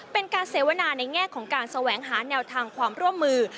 เป็นการเสวนาในแง่ของการแสวงหาแนวทางความร่วมมือ